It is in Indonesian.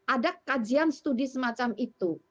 ada kajian studi semacam itu